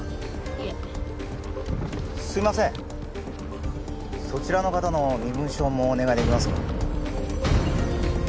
いえすいませんそちらの方の身分証もお願いできますか？